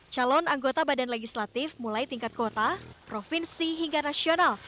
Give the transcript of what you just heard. calon anggota badan legislatif mulai tingkat kota provinsi hingga nasional